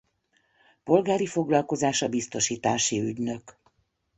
Polgári foglalkozása biztosítási ügynök.